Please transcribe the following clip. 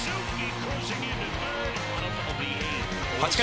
８回。